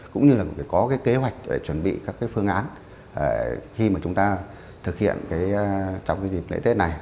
cũng như là phải có cái kế hoạch để chuẩn bị các phương án khi mà chúng ta thực hiện trong cái dịp lễ tết này